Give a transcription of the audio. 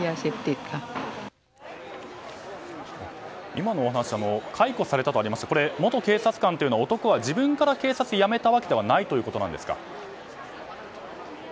今のお話解雇されたとありましたが元警察官というのは男は自分から警察を辞めたわけではないということですか？